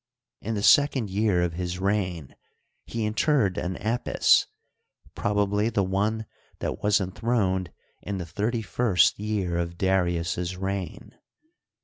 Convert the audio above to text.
In the second year of his reign he interred an Apis, probably the one that was enthroned in the thirty first year of Darius's reign.